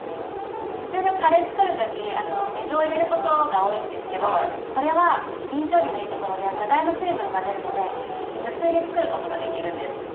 通常カレー作る時水を入れることが多いんですけどこれはびん調理のいいところで具材の水分が出るので無水で作ることができるんです。